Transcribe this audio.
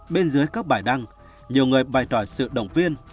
bên dưới các bài đăng nhiều người bày tỏ sự động viên